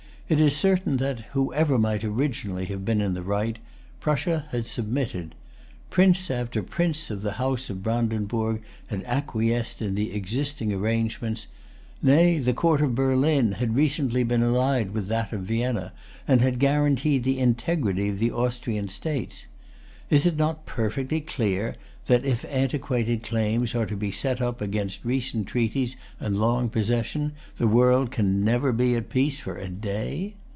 It is certain that, whoever might originally have been in the right, Prussia had submitted. Prince after prince of the House of Brandenburg had acquiesced in the existing arrangement. Nay, the Court of Berlin had recently been allied with that of Vienna, and had[Pg 260] guaranteed the integrity of the Austrian states. Is it not perfectly clear that, if antiquated claims are to be set up against recent treaties and long possession, the world can never be at peace for a day?